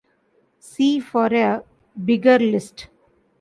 See for a bigger list.